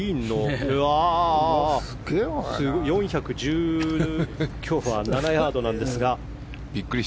４１７ヤードなんですが。